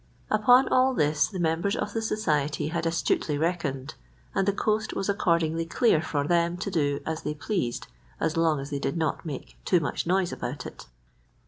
Upon all this the members of the society had astutely reckoned, and the coast was accordingly clear for them to do as they pleased as long as they did not make too much noise about it.